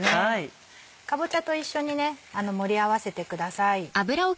かぼちゃと一緒に盛り合わせてください。